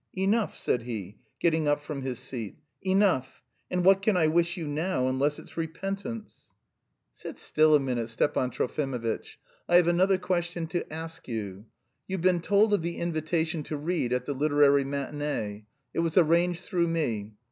"Enough!" said he, getting up from his seat. "Enough! And what can I wish you now, unless it's repentance?" "Sit still a minute, Stepan Trofimovitch. I have another question to ask you. You've been told of the invitation to read at the literary matinée. It was arranged through me.